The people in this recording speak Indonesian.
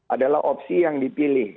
adalah opsi yang dipilih